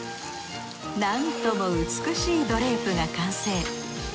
なんとも美しいドレープが完成。